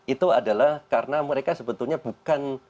itu adalah karena mereka sebetulnya bukan